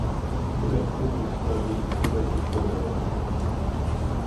dyrektywy w sprawie instrumentów pomiarowych